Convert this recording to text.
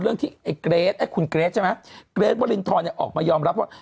เรื่องที่ไอ้เกรทไอ้คุณเกรทใช่ไหมเกรทวรินทรเนี่ยออกมายอมรับว่า